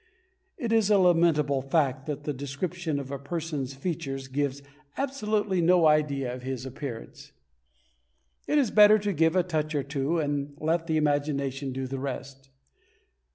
It is a lamentable fact that the description of a person's features gives absolutely no idea of his appearance. It is better to give a touch or two, and let the imagination do the rest.